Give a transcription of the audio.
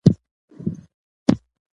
خپله هڅه پوره وکړئ.